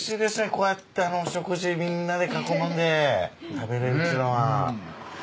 こうやって食事みんなで囲んで食べられるというのは。